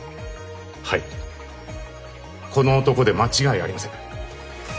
はいこの男で間違いありません。